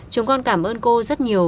chúng con cảm ơn cô rất nhiều